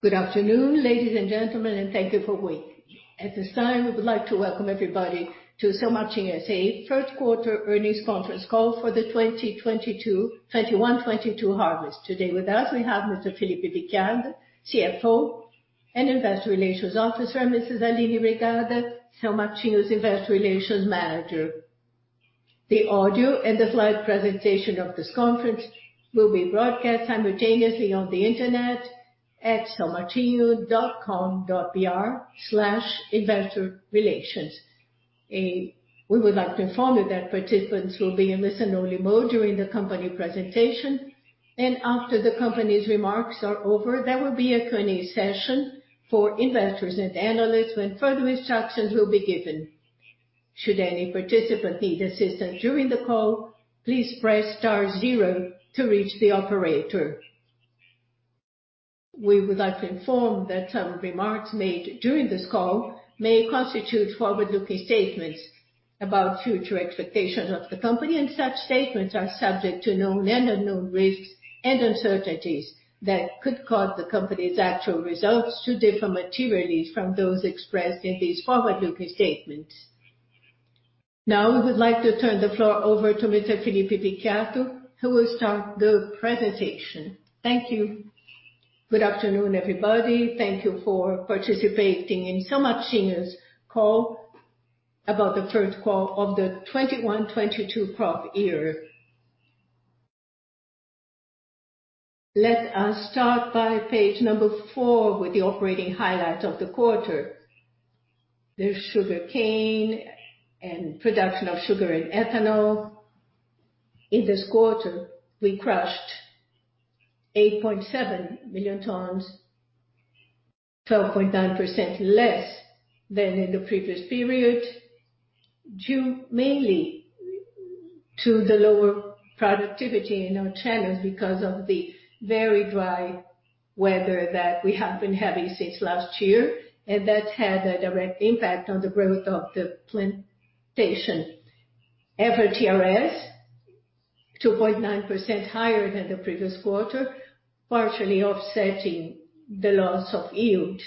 Good afternoon, ladies and gentlemen, and thank you for waiting. At this time, we would like to welcome everybody to São Martinho S.A.'s First Quarter Earnings Conference Call for the 2021/2022 Harvest. Today with us, we have Mr. Felipe Vicchiato, CFO and Investor Relations Officer, and Mrs. Aline Reigada, São Martinho's Investor Relations Manager. The audio and the slide presentation of this conference will be broadcast simultaneously on the internet at saomartinho.com.br/investorrelations. We would like to inform you that participants will be in listen-only mode during the company presentation. After the company's remarks are over, there will be a Q&A session for investors and analysts when further instructions will be given. Should any participant need assistance during the call, please press star zero to reach the operator. We would like to inform that some remarks made during this call may constitute forward-looking statements about future expectations of the company, and such statements are subject to known and unknown risks and uncertainties that could cause the company's actual results to differ materially from those expressed in these forward-looking statements. Now, we would like to turn the floor over to Mr. Felipe Vicchiato, who will start the presentation. Thank you. Good afternoon, everybody. Thank you for participating in São Martinho's call about the first quarter of the 2021/2022 crop year. Let us start by page number four with the operating highlights of the quarter. The sugarcane and production of sugar and ethanol. In this quarter, we crushed 8.7 million tons, 12.9% less than in the previous period, due mainly to the lower productivity in our channels because of the very dry weather that we have been having since last year, and that had a direct impact on the growth of the plantation. TRS, 2.9% higher than the previous quarter, partially offsetting the loss of yield.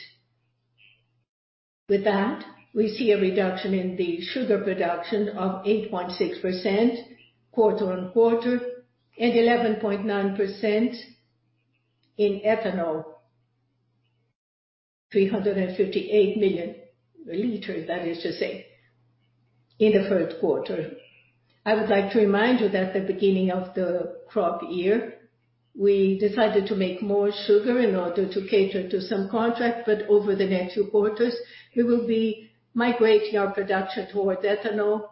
With that, we see a reduction in the sugar production of 8.6% quarter-over-quarter and 11.9% in ethanol, 358 million liters, that is to say, in the first quarter. I would like to remind you that at the beginning of the crop year, we decided to make more sugar in order to cater to some contracts, but over the next two quarters, we will be migrating our production towards ethanol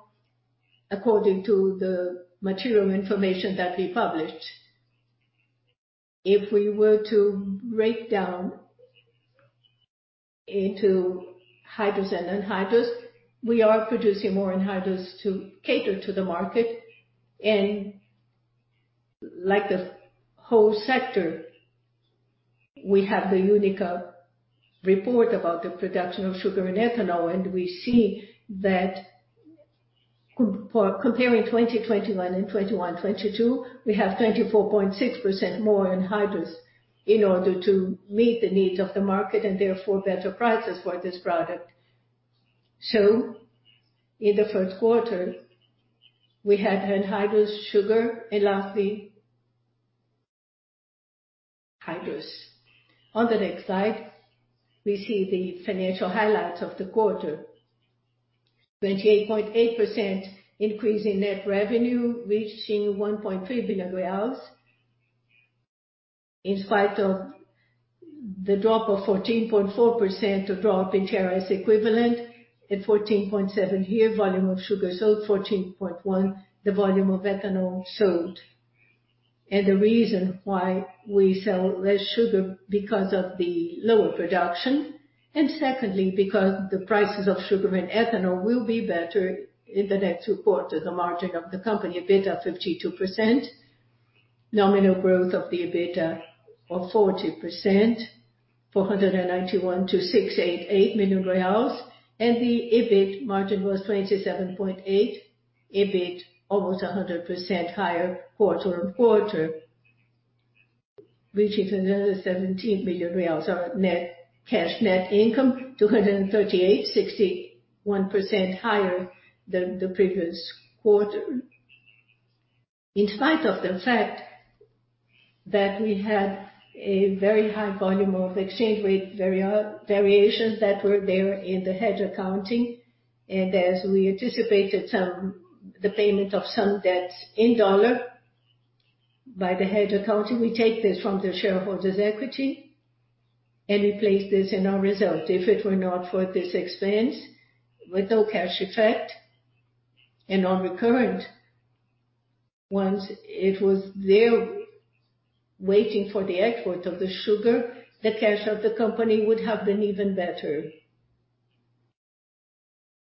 according to the material information that we published. If we were to break down into hydrous and anhydrous, we are producing more anhydrous to cater to the market. Like the whole sector, we have the UNICA report about the production of sugar and ethanol, and we see that comparing 2021 and 2021/2022, we have 24.6% more anhydrous in order to meet the needs of the market and therefore better prices for this product. In the first quarter, we had anhydrous sugar and lastly hydrous. On the next slide, we see the financial highlights of the quarter, 28.8% increase in net revenue reaching 1.3 billion reais, in spite of the drop of 14.4% in TRS equivalent at 14.7% here, volume of sugar sold 14.1%, the volume of ethanol sold. The reason why we sell less sugar because of the lower production, and secondly, because the prices of sugar and ethanol will be better in the next two quarters. The margin of the company EBITDA 52%, nominal growth of the EBITDA of 40%, BRL 491 million-BRL 688 million. The EBIT margin was 27.8%. EBIT almost 100% higher quarter-on-quarter, reaching 217 million reais. Our net cash, net income 238 million, 61% higher than the previous quarter. In spite of the fact that we had a very high volume of exchange rate variations that were there in the hedge accounting. As we anticipated the payment of some debts in dollar by the hedge accounting, we take this from the shareholders' equity and we place this in our result. If it were not for this expense, with no cash effect and non-recurrent ones, it was there waiting for the export of the sugar, the cash of the company would have been even better.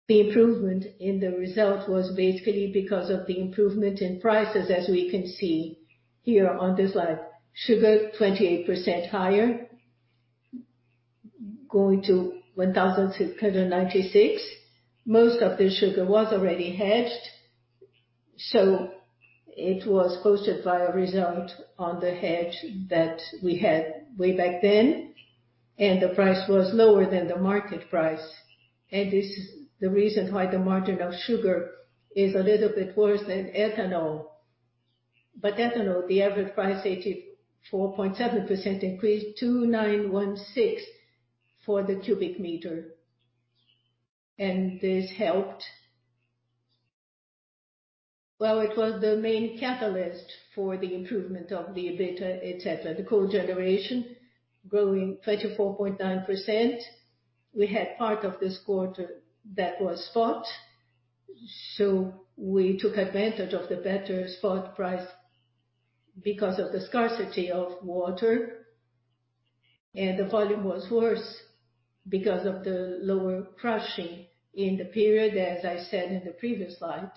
The improvement in the result was basically because of the improvement in prices as we can see here on this slide. Sugar 28% higher, going to 1,696. Most of the sugar was already hedged. It was posted by a result on the hedge that we had way back then, and the price was lower than the market price. This is the reason why the margin of sugar is a little bit worse than ethanol. Ethanol, the average price, 84.7% increase, 2,916 for the cubic meter. This helped. Well, it was the main catalyst for the improvement of the EBITDA, et cetera. The cogeneration growing 24.9%. We had part of this quarter that was spot, so we took advantage of the better spot price because of the scarcity of water. The volume was worse because of the lower crushing in the period, as I said in the previous slide.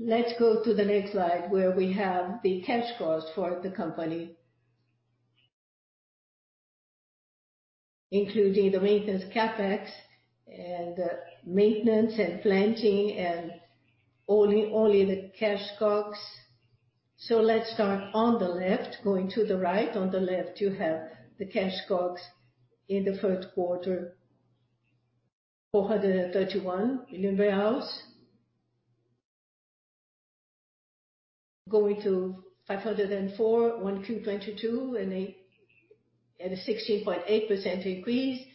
Let's go to the next slide, where we have the cash costs for the company. Including the maintenance CapEx and maintenance and planting and only the cash costs. Let's start on the left, going to the right. On the left, you have the cash costs in the third quarter, 431 million. Going to 504 million in Q1 2022, and a 16.8% increase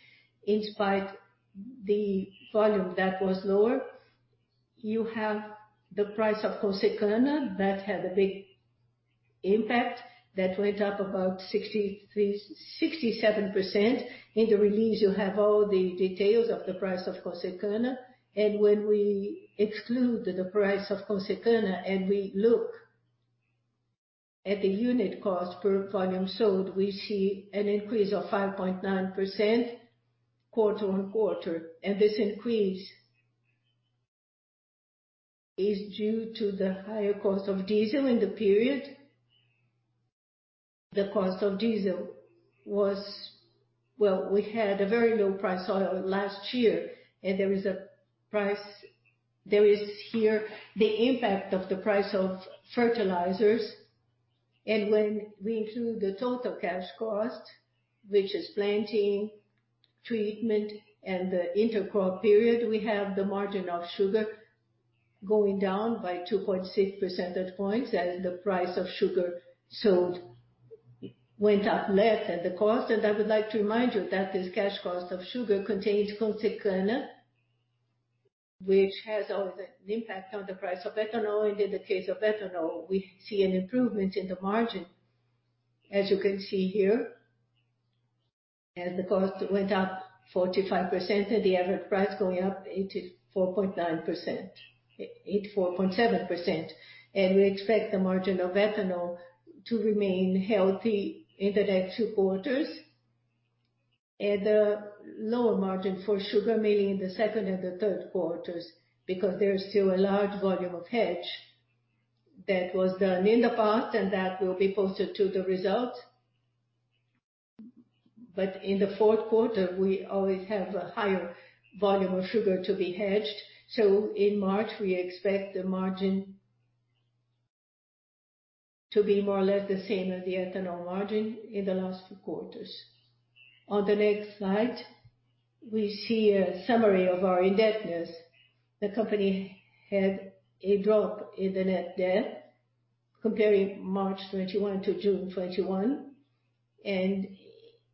in spite the volume that was lower. You have the price of Consecana that had a big impact, that went up about 67%. In the release, you have all the details of the price of Consecana. When we exclude the price of Consecana and we look at the unit cost per volume sold, we see an increase of 5.9% quarter-on-quarter. This increase is due to the higher cost of diesel in the period. The cost of diesel was we had a very low price oil last year, there is here the impact of the price of fertilizers. When we include the total cash cost, which is planting, treatment, and the intercrop period, we have the margin of sugar going down by 2.6 percentage points as the price of sugar sold went up less than the cost. I would like to remind you that this cash cost of sugar contains Consecana, which has always an impact on the price of ethanol. In the case of ethanol, we see an improvement in the margin, as you can see here. The cost went up 45% and the average price going up 84.7%. We expect the margin of ethanol to remain healthy in the next two quarters, and a lower margin for sugar milling in the second and the third quarters because there is still a large volume of hedge that was done in the past and that will be posted to the result. In the fourth quarter, we always have a higher volume of sugar to be hedged. In March, we expect the margin to be more or less the same as the ethanol margin in the last two quarters. On the next slide, we see a summary of our indebtedness. The company had a drop in the net debt comparing March 2021 to June 2021.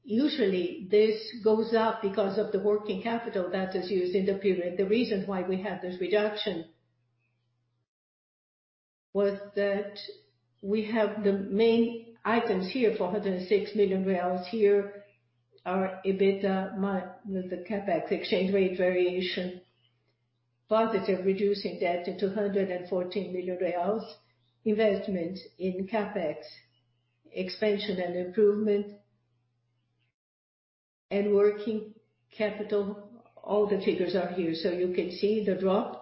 Usually, this goes up because of the working capital that is used in the period. The reason why we have this reduction was that we have the main items here: 406 million. Here are EBITDA minus the CapEx, exchange rate variation, positive reducing debt to 114 million reais, investment in CapEx, expansion and improvement, and working capital. All the figures are here. You can see the drop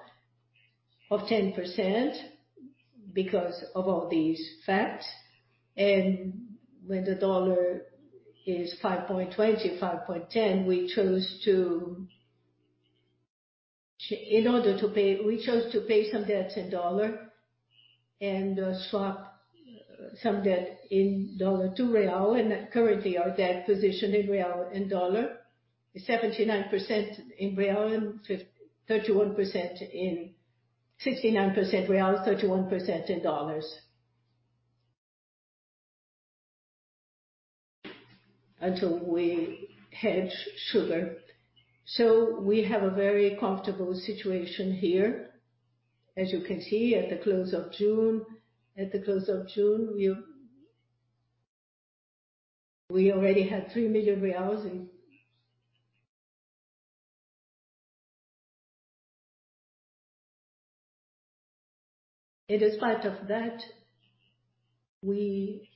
of 10% because of all these facts. When the dollar is 5.20, 5.10, in order to pay, we chose to pay some debts in dollar and swap some debt in dollar to real. Currently, our debt position in real and dollar is 79% in real, 31% in dollars until we hedge sugar. We have a very comfortable situation here. As you can see, at the close of June, we already had BRL 3 million in. As part of that, we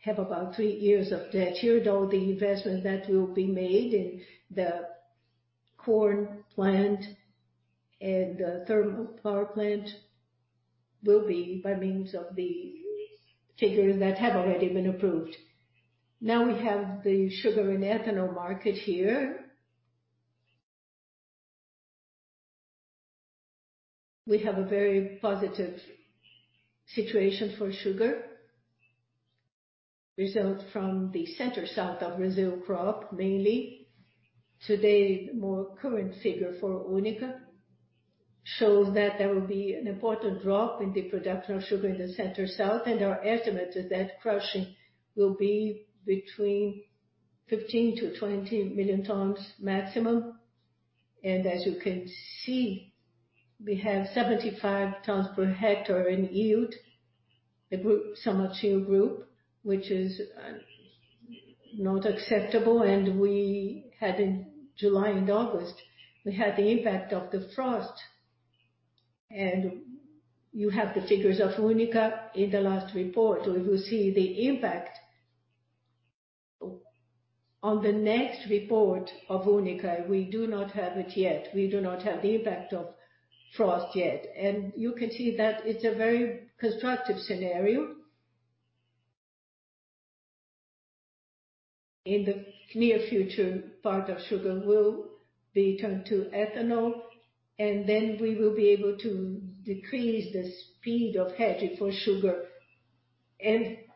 have about three years of debt. Here are all the investment that will be made in the corn plant and the thermal power plant will be by means of the figures that have already been approved. We have the sugar and ethanol market here. We have a very positive situation for sugar. Results from the Center-South of Brazil crop mainly. Today, the more current figure for UNICA shows that there will be an important drop in the production of sugar in the Center-South, and our estimate is that crushing will be between 15 million tons-20 million tons maximum. As you can see, we have 75 tons per hectare in yield. The group, São Martinho group, which is not acceptable, and we had in July and August, we had the impact of the frost. You have the figures of UNICA in the last report. If you see the impact on the next report of UNICA, we do not have it yet. We do not have the impact of frost yet. You can see that it's a very constructive scenario. In the near future, part of sugar will be turned to ethanol, and then we will be able to decrease the speed of hedging for sugar. It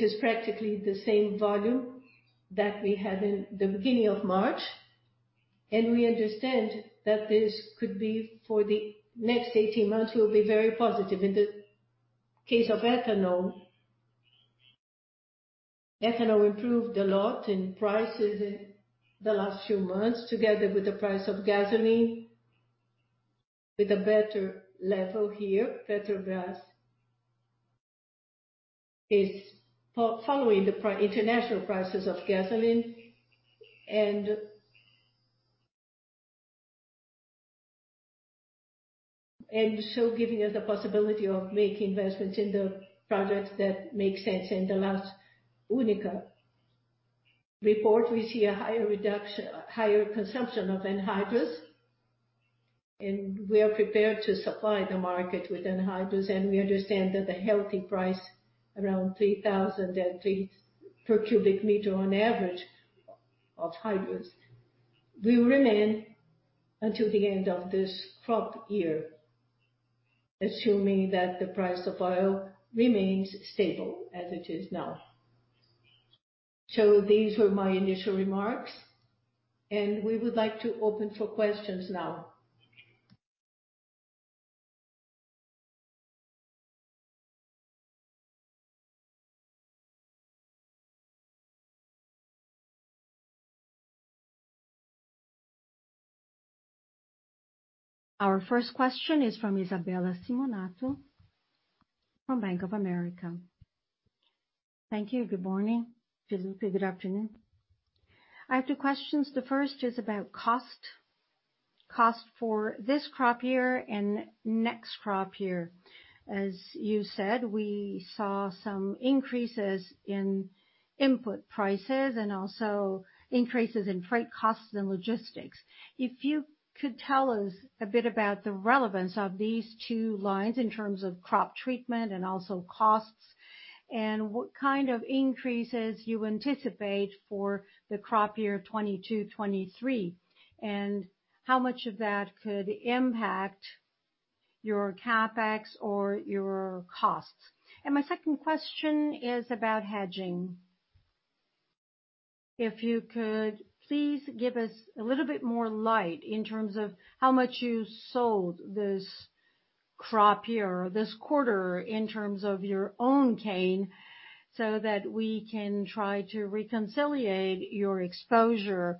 is practically the same volume that we had in the beginning of March, and we understand that this could be for the next 18 months, will be very positive. In the case of ethanol improved a lot in prices in the last few months, together with the price of gasoline with a better level here. Petrobras is following the international prices of gasoline, giving us the possibility of making investments in the projects that make sense. In the last UNICA report, we see a higher consumption of anhydrous, and we are prepared to supply the market with anhydrous, and we understand that the healthy price around 3,003 per cu m on average of hydrous will remain until the end of this crop year, assuming that the price of oil remains stable as it is now. These were my initial remarks, and we would like to open for questions now. Our first question is from Isabella Simonato from Bank of America. Thank you. Good morning. Felipe, good afternoon. I have two questions. The first is about cost. Cost for this crop year and next crop year. As you said, we saw some increases in input prices and also increases in freight costs and logistics. If you could tell us a bit about the relevance of these two lines in terms of crop treatment and also costs, and what kind of increases you anticipate for the crop year 2022, 2023, and how much of that could impact your CapEx or your costs. My second question is about hedging. If you could please give us a little bit more light in terms of how much you sold this crop year, this quarter, in terms of your own cane, so that we can try to reconciliate your exposure,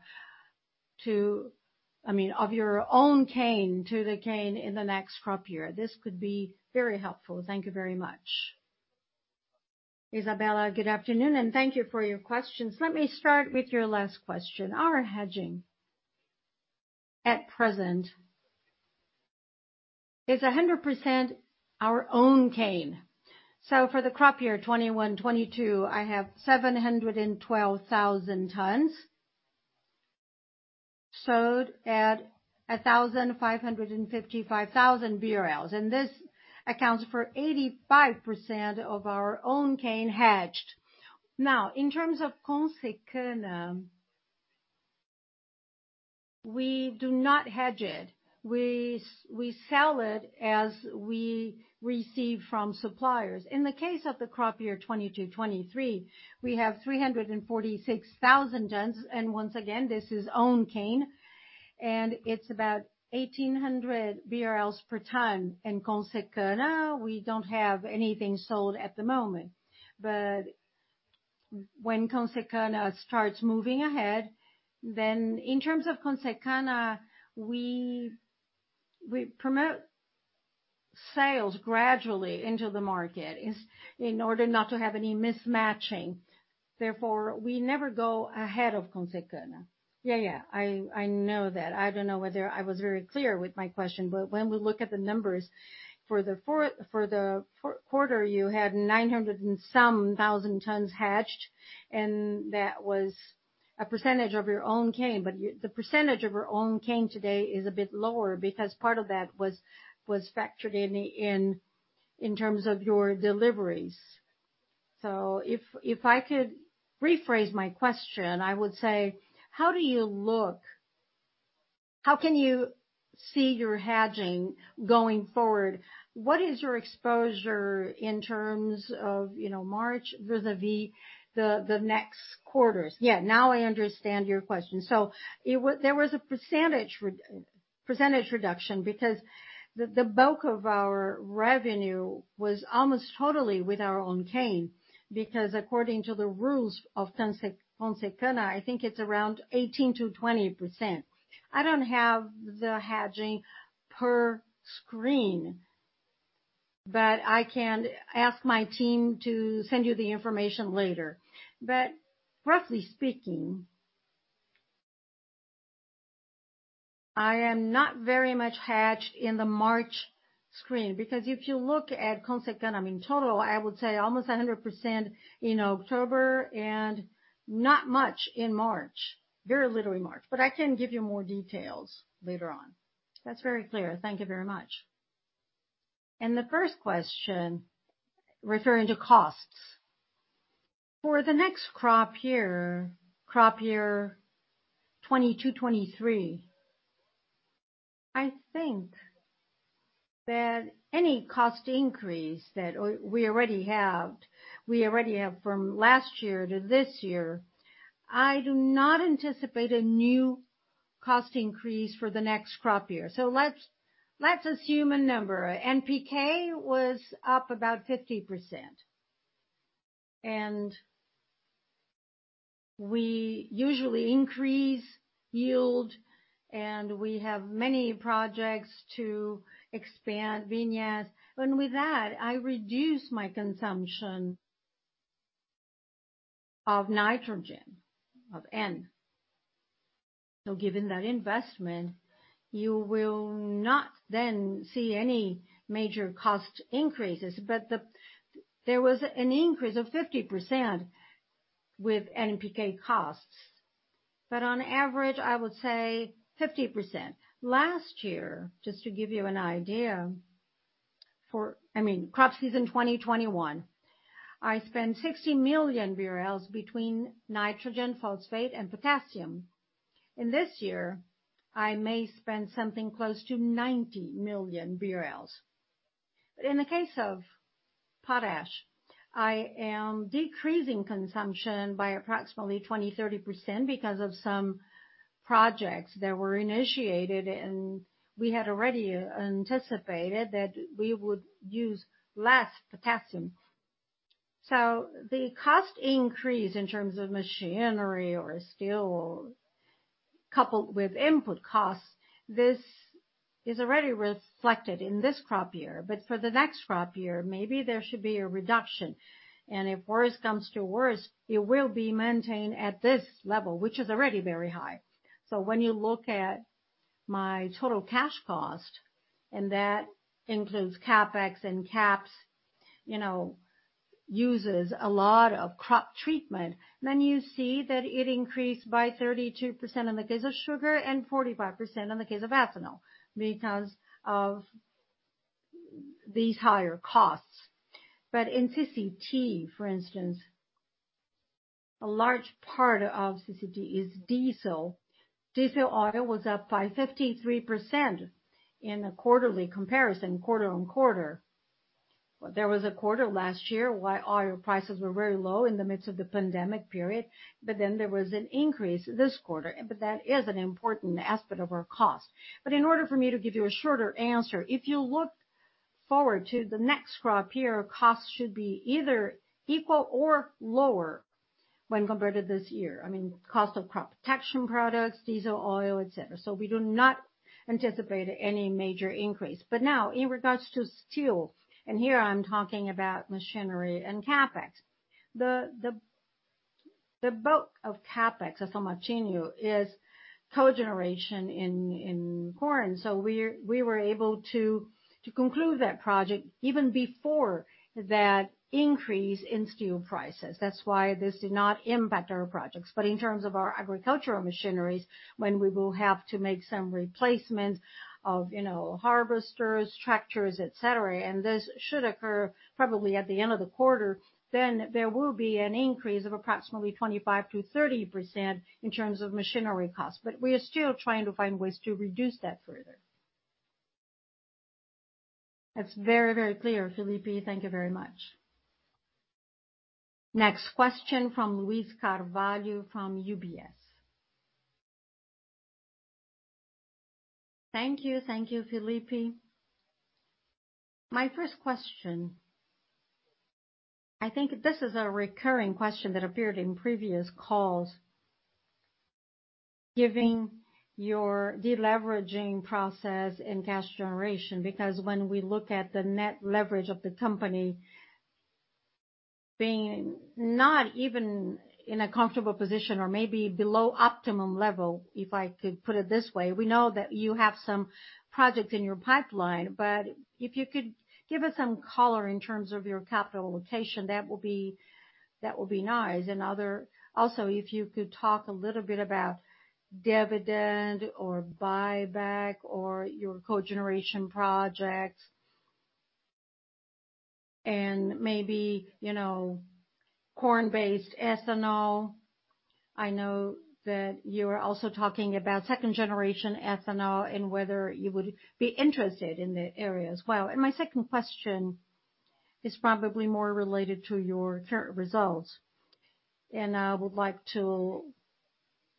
I mean, of your own cane to the cane in the next crop year. This could be very helpful. Thank you very much. Isabella, good afternoon, and thank you for your questions. Let me start with your last question. Our hedging at present is 100% our own cane. For the crop year 2021/2022, I have 712,000 tons sold at [1,555 BRL]. This accounts for 85% of our own cane hedged. In terms of Consecana, we do not hedge it. We sell it as we receive from suppliers. In the case of the crop year 2022/2023, we have 346,000 tons, and once again, this is own cane, and it's about 1,800 BRL per ton. In Consecana, we don't have anything sold at the moment. When Consecana starts moving ahead, then in terms of Consecana, we promote sales gradually into the market in order not to have any mismatching. We never go ahead of Consecana. I know that. I don't know whether I was very clear with my question, when we look at the numbers for the quarter, you had 900 and some thousand tons hedged, and that was a percentage of your own cane, the percentage of your own cane today is a bit lower because part of that was factored in terms of your deliveries. If I could rephrase my question, I would say: How do you look? How can you see your hedging going forward? What is your exposure in terms of March vis-a-vis the next quarters? Now I understand your question. There was a percentage reduction because the bulk of our revenue was almost totally with our own cane, because according to the rules of Consecana, I think it's around 18%-20%. I don't have the hedging per screen. I can ask my team to send you the information later. Roughly speaking, I am not very much hedged in the March screen, because if you look at Consecana in total, I would say almost 100% in October and not much in March. Very little in March. I can give you more details later on. That's very clear. Thank you very much. The first question, referring to costs. For the next crop year, 2022/2023, I think that any cost increase that we already have from last year to this year, I do not anticipate a new cost increase for the next crop year. Let's assume a number. NPK was up about 50%, and we usually increase yield, and we have many projects to expand vinasse. With that, I reduce my consumption of nitrogen, of N. Given that investment, you will not then see any major cost increases. There was an increase of 50% with NPK costs. On average, I would say 50%. Last year, just to give you an idea, crop season 2021, I spent 60 million BRL between nitrogen, phosphate, and potassium. In this year, I may spend something close to 90 million BRL. In the case of potash, I am decreasing consumption by approximately 20%-30% because of some projects that were initiated, and we had already anticipated that we would use less potassium. The cost increase in terms of machinery or steel, coupled with input costs, this is already reflected in this crop year. For the next crop year, maybe there should be a reduction. If worse comes to worst, it will be maintained at this level, which is already very high. When you look at my total cash cost, and that includes CapEx and caps, uses a lot of crop treatment, you see that it increased by 32% in the case of sugar and 45% in the case of ethanol, because of these higher costs. In CCT, for instance, a large part of CCT is diesel. Diesel oil was up by 53% in a quarterly comparison, quarter-on-quarter. There was a quarter last year where oil prices were very low in the midst of the pandemic period, but then there was an increase this quarter. That is an important aspect of our cost. In order for me to give you a shorter answer, if you look forward to the next crop year, costs should be either equal or lower when compared to this year. Cost of crop protection products, diesel oil, et cetera. We do not anticipate any major increase. Now, in regards to steel, and here I'm talking about machinery and CapEx. The bulk of CapEx at São Martinho is cogeneration in corn. We were able to conclude that project even before that increase in steel prices. That's why this did not impact our projects. In terms of our agricultural machineries, when we will have to make some replacements of harvesters, tractors, et cetera, and this should occur probably at the end of the quarter, there will be an increase of approximately 25%-30% in terms of machinery costs. We are still trying to find ways to reduce that further. That's very clear, Felipe. Thank you very much. Next question from Luiz Carvalho from UBS. Thank you, Felipe. My first question, I think this is a recurring question that appeared in previous calls. Given your deleveraging process and cash generation, because when we look at the net leverage of the company being not even in a comfortable position or maybe below optimum level, if I could put it this way. If you could give us some color in terms of your capital allocation, That will be nice. Also, if you could talk a little bit about dividend or buyback or your cogeneration projects. Maybe corn-based ethanol. I know that you are also talking about second-generation ethanol, and whether you would be interested in the area as well. My second question is probably more related to your current results. I would like to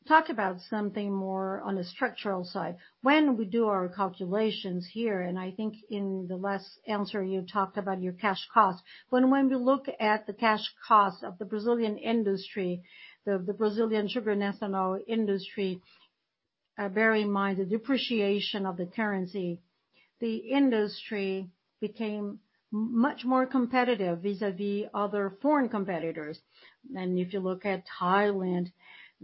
talk about something more on the structural side. When we do our calculations here, and I think in the last answer you talked about your cash costs. When we look at the cash costs of the Brazilian sugar and ethanol industry, bear in mind the depreciation of the currency. The industry became much more competitive vis-a-vis other foreign competitors. If you look at Thailand,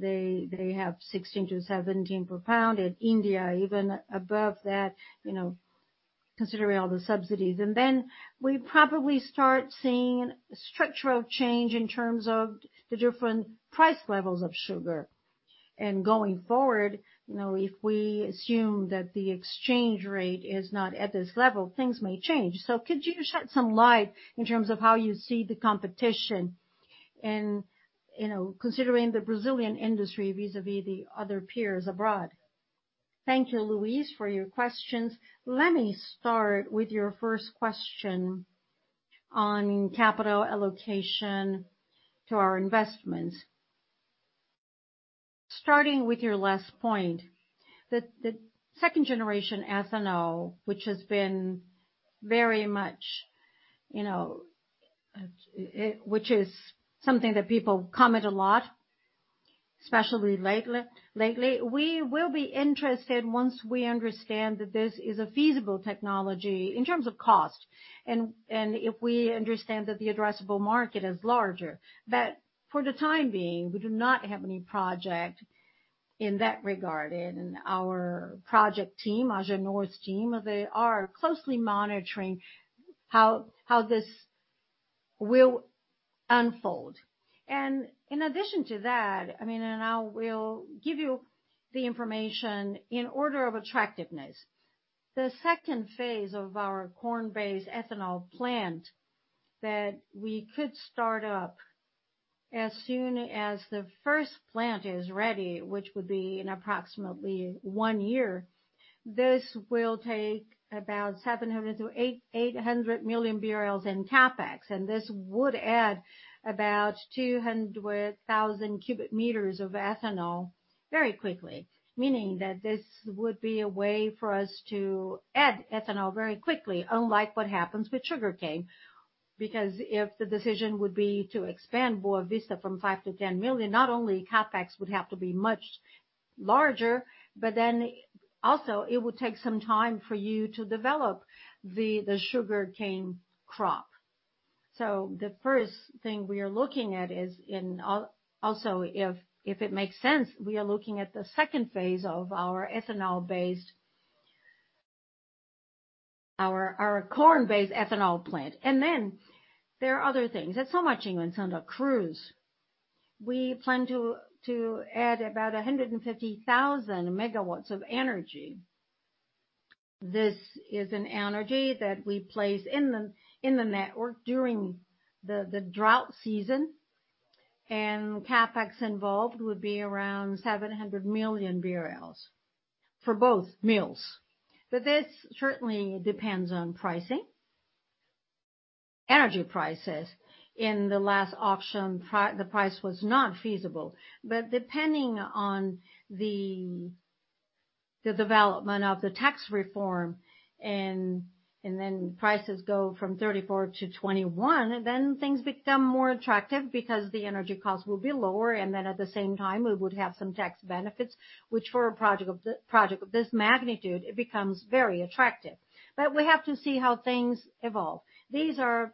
they have $0.16-$0.17 per pound. In India, even above that, considering all the subsidies. Then we probably start seeing structural change in terms of the different price levels of sugar. Going forward, if we assume that the exchange rate is not at this level, things may change. Could you shed some light in terms of how you see the competition, and considering the Brazilian industry vis-a-vis the other peers abroad? Thank you, Luiz, for your questions. Let me start with your first question on capital allocation to our investments. Starting with your last point, the second-generation ethanol, which is something that people comment a lot, especially lately. We will be interested once we understand that this is a feasible technology in terms of cost, and if we understand that the addressable market is larger. For the time being, we do not have any project in that regard. Our project team, Agenor's team, they are closely monitoring how this will unfold. In addition to that, I will give you the information in order of attractiveness. The second phase of our corn-based ethanol plant that we could start up as soon as the first plant is ready, which would be in approximately one year. This will take about 700 million-800 million BRL in CapEx. This would add about 200,000 cu m of ethanol very quickly. Meaning that this would be a way for us to add ethanol very quickly, unlike what happens with sugarcane. If the decision would be to expand Boa Vista from 5 million-10 million, not only CapEx would have to be much larger, also it would take some time for you to develop the sugarcane crop. The first thing we are looking at is, also if it makes sense, we are looking at the second phase of our corn-based ethanol plant. There are other things. At São Martinho and Santa Cruz, we plan to add about 150,000 MW of energy. This is an energy that we place in the network during the drought season, CapEx involved would be around 700 million BRL for both mills. This certainly depends on pricing, energy prices. In the last auction, the price was not feasible. Depending on the development of the tax reform, prices go from 34-21, things become more attractive because the energy cost will be lower, at the same time, we would have some tax benefits, which for a project of this magnitude, it becomes very attractive. We have to see how things evolve. These are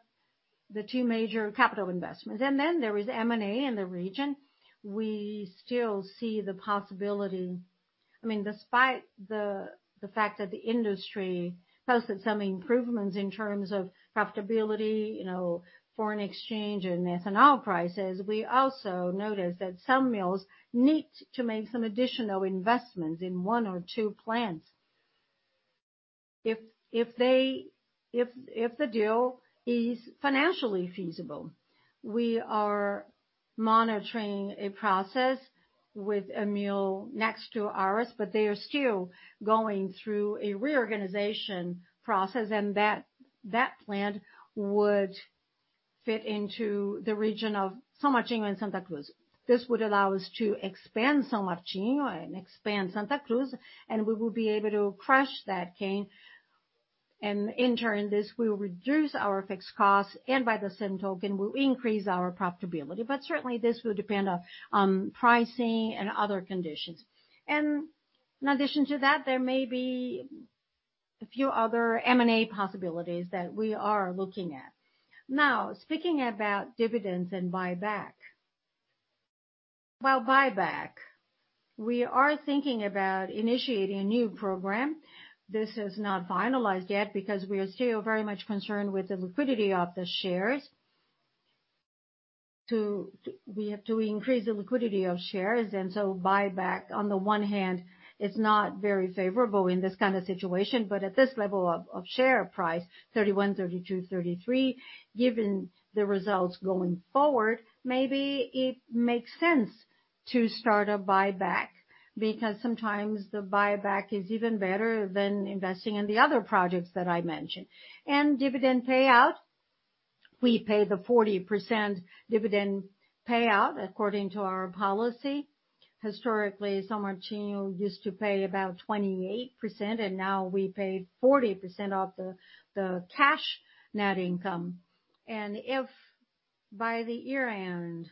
the two major capital investments. There is M&A in the region. We still see the possibility, despite the fact that the industry posted some improvements in terms of profitability, foreign exchange, and ethanol prices, we also noticed that some mills need to make some additional investments in one or two plants. If the deal is financially feasible. We are monitoring a process with a mill next to ours, but they are still going through a reorganization process, and that plant would fit into the region of São Martinho and Santa Cruz. This would allow us to expand São Martinho and expand Santa Cruz, and we will be able to crush that cane. In turn, this will reduce our fixed costs, and by the same token, will increase our profitability. Certainly, this will depend on pricing and other conditions. In addition to that, there may be a few other M&A possibilities that we are looking at. Speaking about dividends and buyback. Well, buyback. We are thinking about initiating a new program. This is not finalized yet because we are still very much concerned with the liquidity of the shares. To increase the liquidity of shares, buyback on the one hand is not very favorable in this kind of situation. At this level of share price 31, 32, 33, given the results going forward, maybe it makes sense to start a buyback because sometimes the buyback is even better than investing in the other projects that I mentioned. Dividend payout, we pay the 40% dividend payout according to our policy. Historically, São Martinho used to pay about 28%. Now we pay 40% of the cash net income. If by the year-end,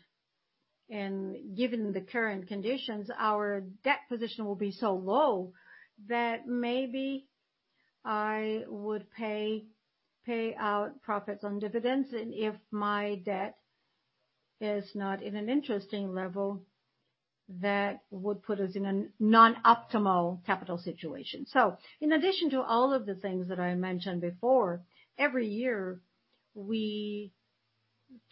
and given the current conditions, our debt position will be so low that maybe I would pay out profits on dividends, and if my debt is not in an interesting level, that would put us in a non-optimal capital situation. In addition to all of the things that I mentioned before, every year, we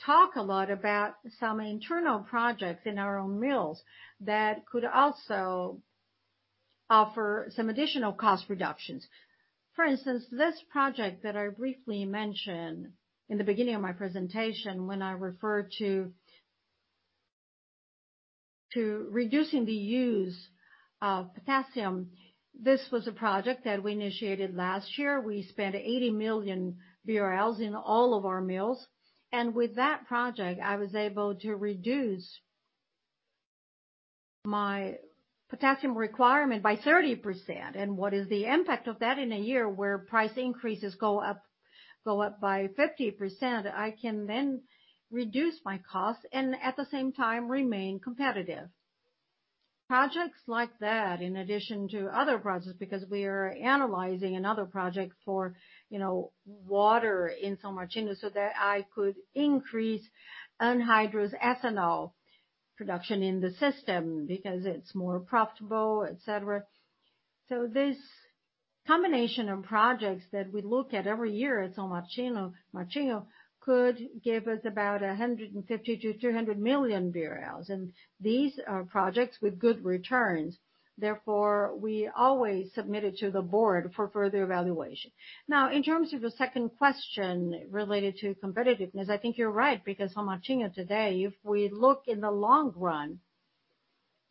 talk a lot about some internal projects in our own mills that could also offer some additional cost reductions. For instance, this project that I briefly mentioned in the beginning of my presentation when I referred to reducing the use of potassium. This was a project that we initiated last year. We spent 80 million BRL in all of our mills. With that project, I was able to reduce my potassium requirement by 30%. What is the impact of that in a year where price increases go up by 50%? I can then reduce my costs and at the same time remain competitive. Projects like that in addition to other projects, because we are analyzing another project for water in São Martinho, so that I could increase anhydrous ethanol production in the system because it's more profitable, et cetera. This combination of projects that we look at every year at São Martinho could give us about 150 million-200 million BRL, and these are projects with good returns. Therefore, we always submit it to the board for further evaluation. Now, in terms of the second question related to competitiveness, I think you're right, because São Martinho today, if we look in the long run,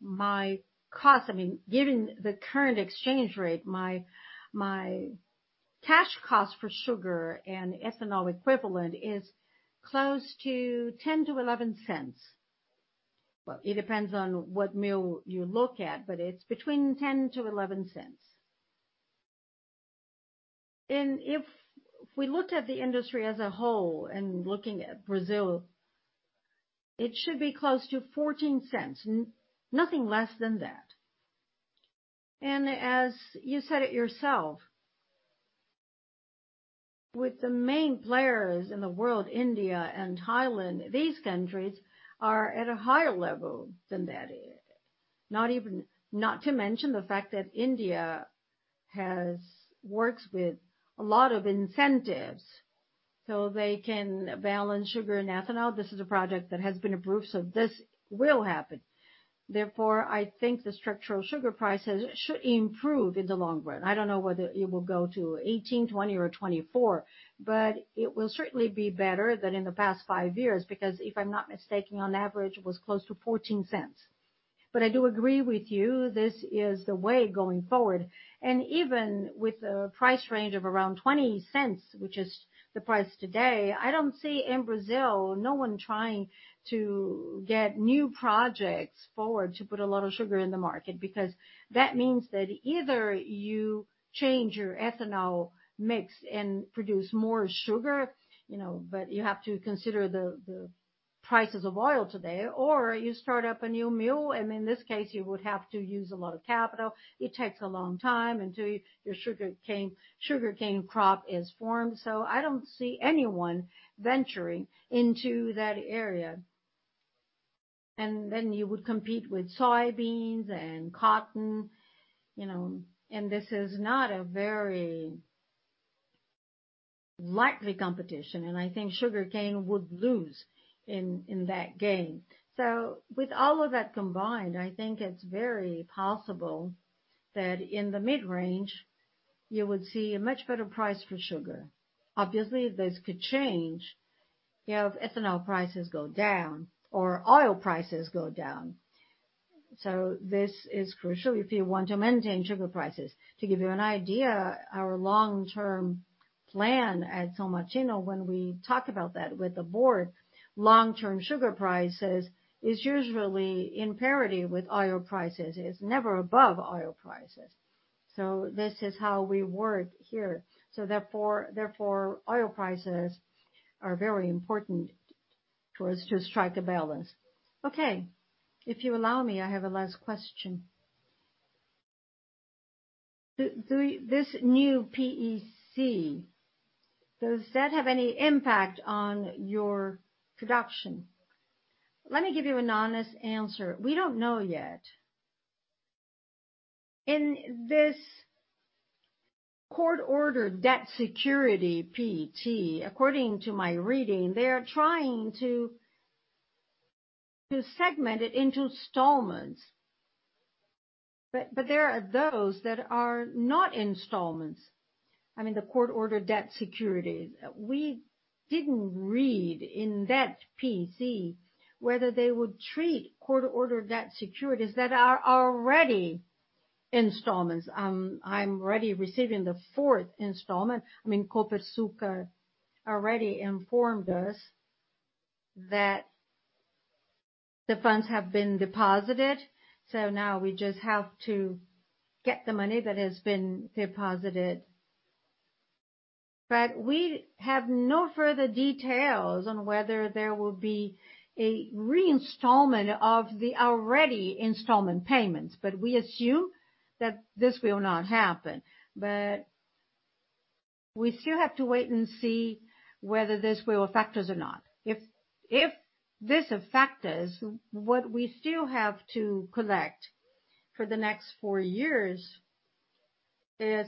my cost, given the current exchange rate, my cash cost for sugar and ethanol equivalent is close to 0.10-0.11. Well, it depends on what mill you look at, but it's between 0.10-0.11. If we look at the industry as a whole and looking at Brazil, it should be close to 0.14, nothing less than that. As you said it yourself, with the main players in the world, India and Thailand, these countries are at a higher level than that. Not to mention the fact that India has worked with a lot of incentives so they can balance sugar and ethanol. This is a project that has been approved, so this will happen. I think the structural sugar prices should improve in the long run. I don't know whether it will go to 0.18, 0.20 or 0.24, but it will certainly be better than in the past five years, because if I'm not mistaken, on average, it was close to 0.14. I do agree with you, this is the way going forward. Even with a price range of around 0.20, which is the price today, I don't see in Brazil, no one trying to get new projects forward to put a lot of sugar in the market, because that means that either you change your ethanol mix and produce more sugar, but you have to consider the prices of oil today, or you start up a new mill, and in this case, you would have to use a lot of capital. It takes a long time until your sugarcane crop is formed. I don't see anyone venturing into that area. You would compete with soybeans and cotton, this is not a very likely competition, and I think sugarcane would lose in that game. With all of that combined, I think it's very possible that in the mid-range you would see a much better price for sugar. Obviously, this could change if ethanol prices go down or oil prices go down. This is crucial if you want to maintain sugar prices. To give you an idea, our long-term plan at São Martinho, when we talk about that with the board, long-term sugar prices is usually in parity with oil prices, is never above oil prices. This is how we work here. Oil prices are very important for us to strike a balance. Okay. If you allow me, I have a last question. This new PEC, does that have any impact on your production? Let me give you an honest answer. We don't know yet. In this court-ordered debt security, [PET], according to my reading, they are trying to segment it into installments. There are those that are not installments. I mean, the court-ordered debt securities. We didn't read in that PEC whether they would treat court-ordered debt securities that are already installments. I'm already receiving the fourth installment. Copersucar already informed us that the funds have been deposited. Now we just have to get the money that has been deposited. We have no further details on whether there will be a re-installment of the already installment payments. We assume that this will not happen. We still have to wait and see whether this will affect us or not. If this affects us, what we still have to collect for the next four years is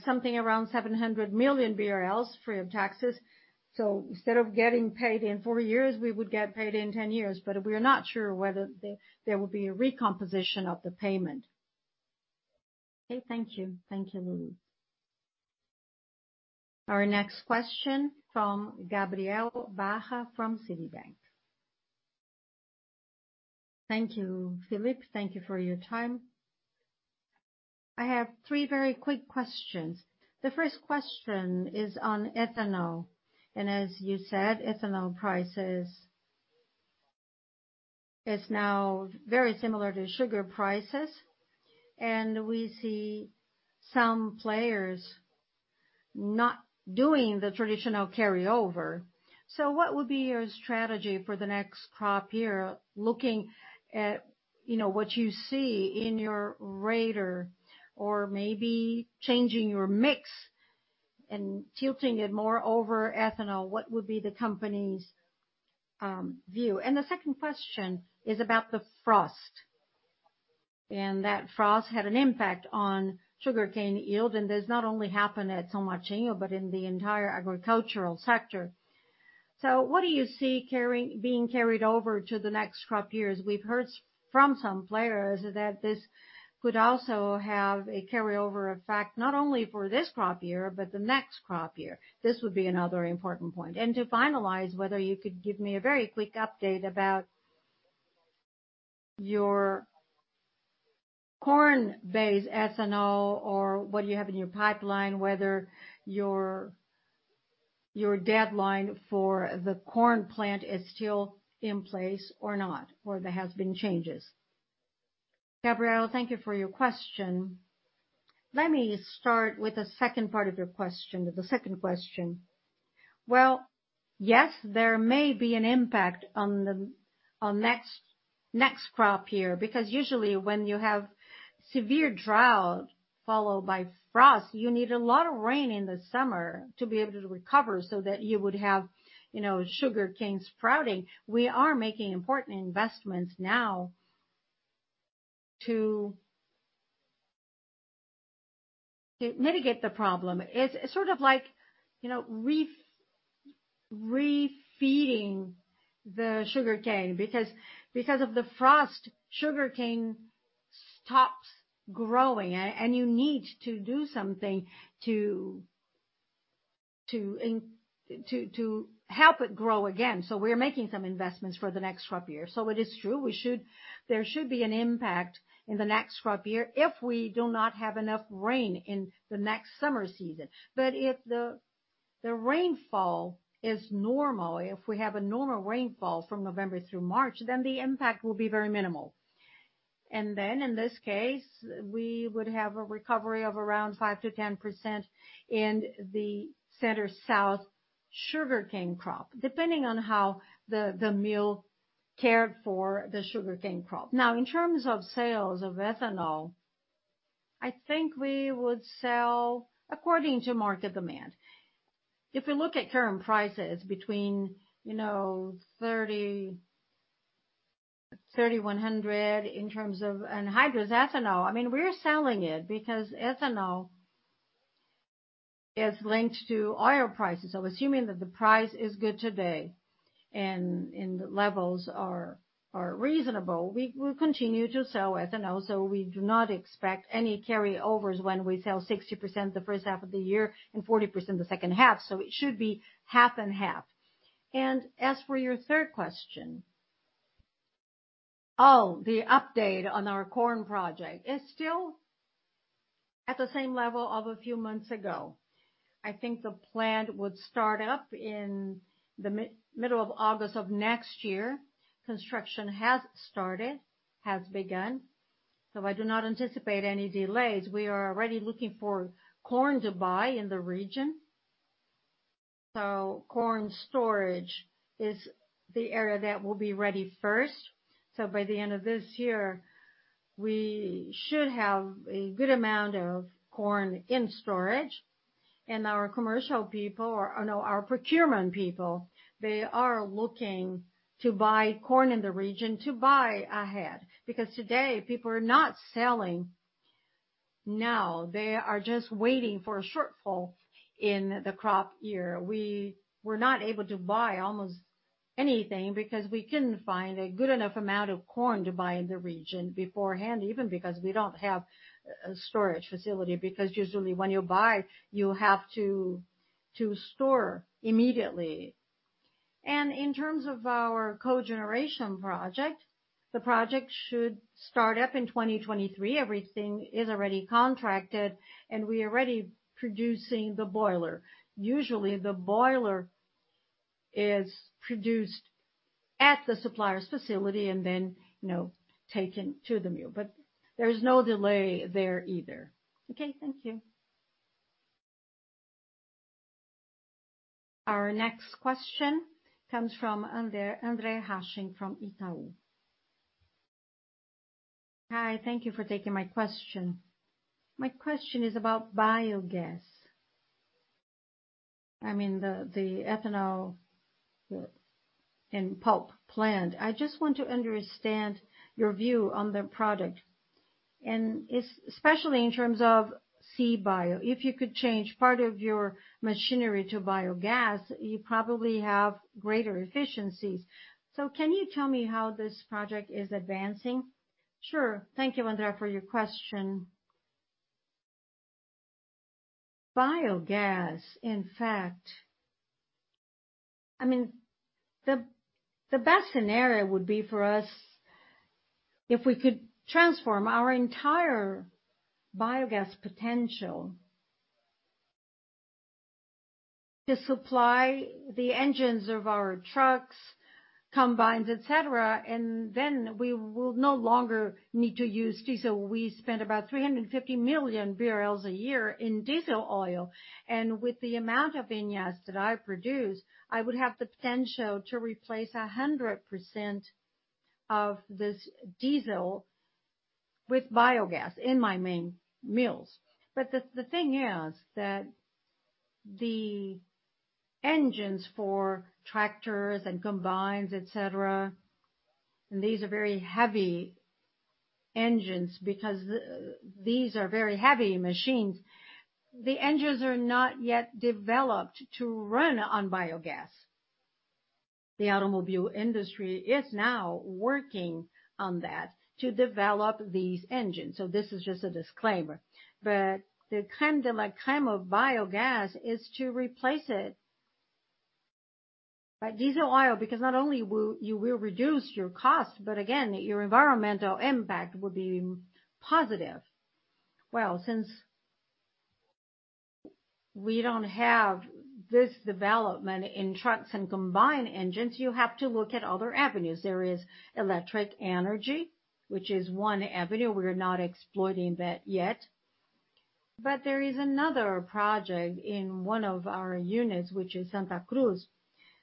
something around 700 million BRL free of taxes. Instead of getting paid in four years, we would get paid in 10 years. We are not sure whether there will be a recomposition of the payment. Okay. Thank you. Thank you, Luiz. Our next question from Gabriel Barra from Citibank. Thank you, Felipe. Thank you for your time. I have three very quick questions. The first question is on ethanol, and as you said, ethanol prices is now very similar to sugar prices, and we see some players not doing the traditional carryover. What would be your strategy for the next crop year looking at what you see in your radar or maybe changing your mix and tilting it more over ethanol? What would be the company's view? The second question is about the frost, and that frost had an impact on sugarcane yield, and does not only happen at São Martinho, but in the entire agricultural sector. What do you see being carried over to the next crop years? We've heard from some players that this could also have a carryover effect, not only for this crop year, but the next crop year. This would be another important point. To finalize, whether you could give me a very quick update about your corn-based ethanol or what you have in your pipeline, whether your deadline for the corn plant is still in place or not, or there has been changes? Gabriel, thank you for your question. Let me start with the second part of your question, the second question. Well, yes, there may be an impact on next crop year, because usually when you have severe drought followed by frost, you need a lot of rain in the summer to be able to recover so that you would have sugarcane sprouting. We are making important investments now to mitigate the problem. It's sort of like re-feeding the sugarcane, because of the frost, sugarcane stops growing, and you need to do something to help it grow again. We are making some investments for the next crop year. It is true, there should be an impact in the next crop year if we do not have enough rain in the next summer season. If the rainfall is normal, if we have a normal rainfall from November through March, the impact will be very minimal. In this case, we would have a recovery of around 5%-10% in the center-south sugarcane crop, depending on how the mill cared for the sugarcane crop. In terms of sales of ethanol, I think we would sell according to market demand. If we look at current prices between 3,100 in terms of anhydrous ethanol, we're selling it because ethanol is linked to oil prices. Assuming that the price is good today and the levels are reasonable, we will continue to sell ethanol. We do not expect any carryovers when we sell 60% the first half of the year and 40% the second half. It should be half and half. Your third question. The update on our corn project. It's still at the same level of a few months ago. I think the plant would start up in the middle of August of next year. Construction has begun. I do not anticipate any delays. We are already looking for corn to buy in the region. Corn storage is the area that will be ready first. By the end of this year, we should have a good amount of corn in storage. Our commercial people, our procurement people, they are looking to buy corn in the region, to buy ahead. Today, people are not selling now. They are just waiting for a shortfall in the crop year. We were not able to buy almost anything because we couldn't find a good enough amount of corn to buy in the region beforehand, even because we don't have a storage facility, because usually when you buy, you have to store immediately. In terms of our cogeneration project, the project should start up in 2023. Everything is already contracted and we are already producing the boiler. Usually, the boiler is produced at the supplier's facility and then taken to the mill. There is no delay there either. Okay, thank you. Our next question comes from André Hachem from Itaú. Hi, thank you for taking my question. My question is about biogas. The ethanol and pulp plant. I just want to understand your view on the product, and especially in terms of CBIO. If you could change part of your machinery to biogas, you probably have greater efficiencies. Can you tell me how this project is advancing? Sure. Thank you, André, for your question. Biogas, in fact, the best scenario would be for us if we could transform our entire biogas potential to supply the engines of our trucks, combines, et cetera, and then we will no longer need to use diesel. We spend about 350 million a year in diesel oil, and with the amount of vinasse that I produce, I would have the potential to replace 100% of this diesel with biogas in my main mills. The thing is that the engines for tractors and combines, et cetera, and these are very heavy engines because these are very heavy machines. The engines are not yet developed to run on biogas. The automobile industry is now working on that to develop these engines. This is just a disclaimer. The claim of biogas is to replace it by diesel oil, because not only you will reduce your cost, but again, your environmental impact will be positive. Since we don't have this development in trucks and combine engines, you have to look at other avenues. There is electric energy, which is one avenue. We are not exploiting that yet. There is another project in one of our units, which is Santa Cruz,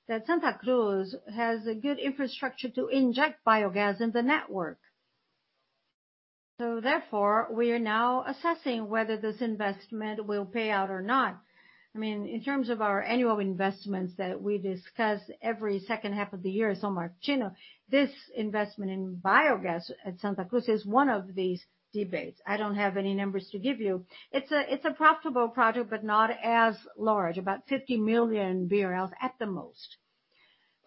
that Santa Cruz has a good infrastructure to inject biogas in the network. Therefore, we are now assessing whether this investment will pay out or not. In terms of our annual investments that we discuss every second half of the year, São Martinho, this investment in biogas at Santa Cruz is one of these debates. I don't have any numbers to give you. It's a profitable project, but not as large, about 50 million BRL at the most.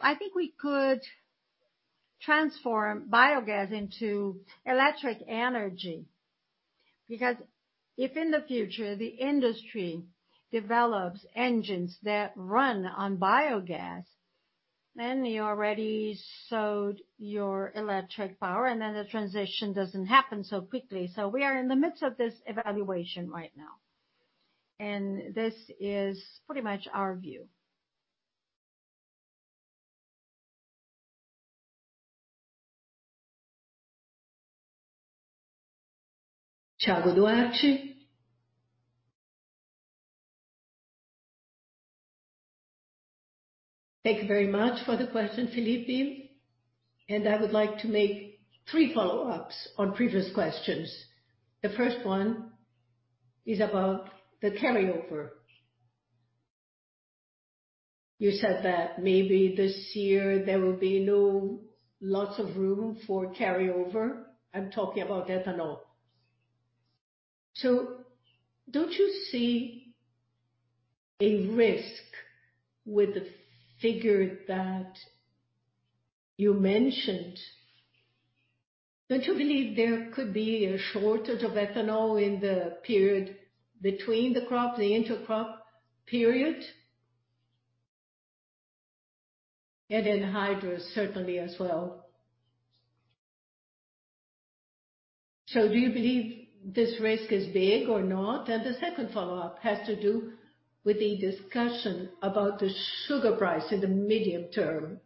I think we could transform biogas into electric energy, because if in the future the industry develops engines that run on biogas, then you already sewed your electric power, and then the transition doesn't happen so quickly. We are in the midst of this evaluation right now, and this is pretty much our view. Thiago Duarte. Thank you very much for the question, Felipe. I would like to make three follow-ups on previous questions. The first one is about the carryover. You said that maybe this year there will be lots of room for carryover. I'm talking about ethanol. Don't you see a risk with the figure that you mentioned? Don't you believe there could be a shortage of ethanol in the period between the crop, the intercrop period? Anhydrous certainly as well. Do you believe this risk is big or not? The second follow-up has to do with the discussion about the sugar price in the medium term.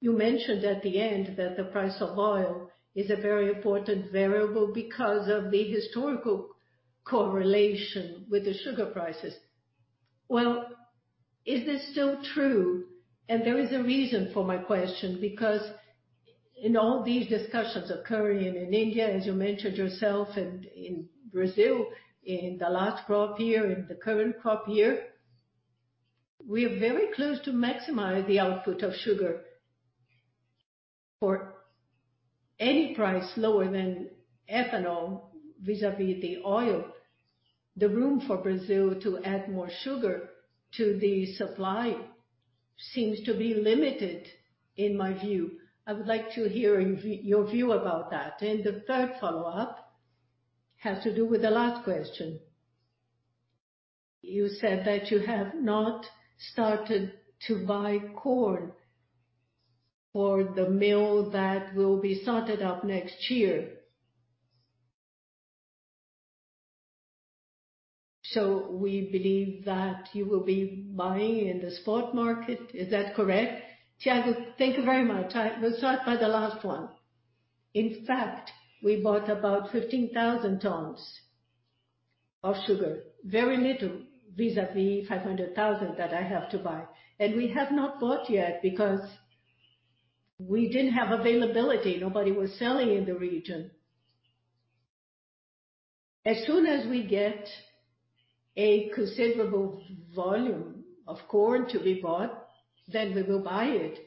You mentioned at the end that the price of oil is a very important variable because of the historical correlation with the sugar prices. Well, is this still true? There is a reason for my question, because in all these discussions occurring in India, as you mentioned yourself, and in Brazil, in the last crop year, in the current crop year, we are very close to maximize the output of sugar. For any price lower than ethanol, vis-a-vis the oil, the room for Brazil to add more sugar to the supply seems to be limited in my view. I would like to hear your view about that. The third follow-up has to do with the last question. You said that you have not started to buy corn for the mill that will be started up next year. We believe that you will be buying in the spot market. Is that correct? Thiago, thank you very much. Let's start by the last one. In fact, we bought about 15,000 tons of sugar. Very little vis-a-vis 500,000 that I have to buy. We have not bought yet because we didn't have availability. Nobody was selling in the region. As soon as we get a considerable volume of corn to be bought, then we will buy it.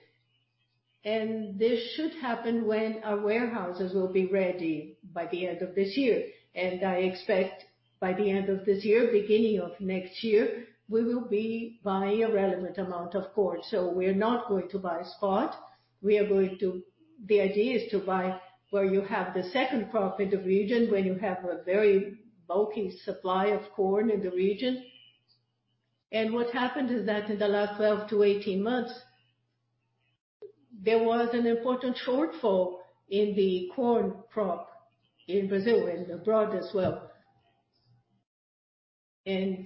This should happen when our warehouses will be ready by the end of this year. I expect by the end of this year, beginning of next year, we will be buying a relevant amount of corn. We are not going to buy spot. The idea is to buy where you have the second crop in the region, when you have a very bulky supply of corn in the region. What happened is that in the last 12-18 months, there was an important shortfall in the corn crop in Brazil and abroad as well.